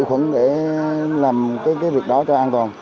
thử khuẩn để làm cái việc đó cho an toàn